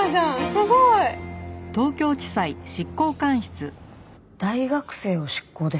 すごい！大学生を執行ですか？